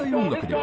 は